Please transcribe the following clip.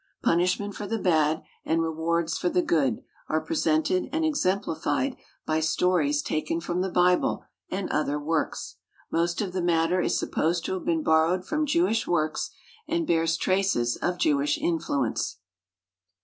Punishment for the bad, and rewards for the good, are presented and exemplified by stories taken from the Bible and other works. Most of the matter is supposed to have been borrowed from Jewish works, and bears traces of Jewish influence.